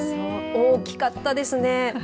大きかったですね。